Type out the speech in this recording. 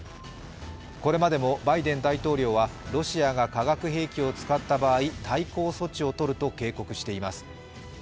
これまでもバイデン大統領はロシアが化学兵器を使った場合、対抗措置をとると警告しています。